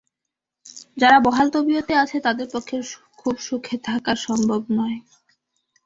যারা বহাল তবিয়তে আছে, তাদের পক্ষেও খুব সুখে থাকা সম্ভব নয়।